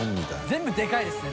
全部でかいですね